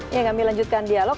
ya kami lanjutkan dialog